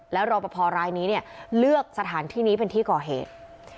และรบภรรณ์รายนี้เลือกสถานที่นี้เป็นที่ก่อเหตุ